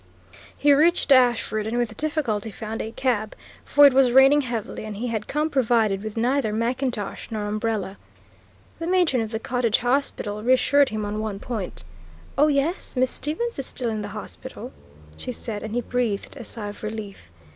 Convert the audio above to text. He reached Ashford, and with difficulty found a cab, for it was raining heavily, and he had come provided with neither mackintosh nor umbrella. The matron of the Cottage Hospital reassured him on one point. "Oh, yes, Miss Stevens is still in the hospital," she said, and he breathed a sigh of relief.